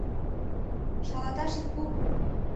— Шалаташ ит пу!